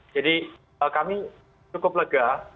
jadi kami cukup lega